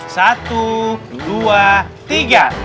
satu dua tiga